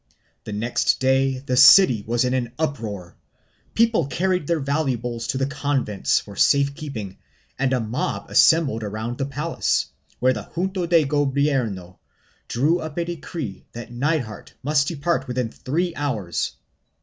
The next day the city was in an uproar; people carried their valuables to the convents for safe keeping and a mob assembled around the palace, where the Junto de Gobierno drew up a decree that Nithard must depart within three hours.